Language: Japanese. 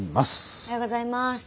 おはようございます。